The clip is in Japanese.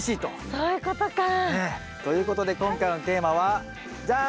そういうことか！ということで今回のテーマはじゃん！